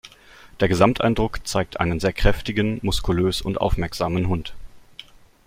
Der Gesamteindruck zeigt einen sehr kräftigen, muskulös und aufmerksamen Hund.